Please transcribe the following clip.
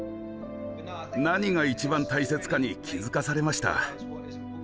何が一番大切かに気付かされました。